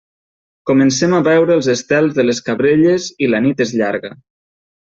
Comencem a veure els estels de les Cabrelles i la nit és llarga.